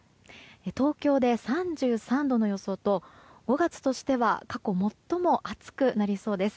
東京で３３度の予想と５月としては過去最も暑くなりそうです。